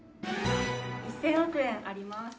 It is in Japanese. １０００億円あります。